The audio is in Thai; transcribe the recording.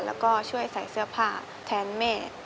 แล้วก็ช่วยใส่เสื้อผ้าแทนแม่